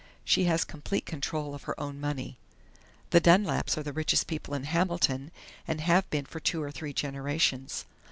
She has complete control of her own money.... The Dunlaps are the richest people in Hamilton, and have been for two or three generations.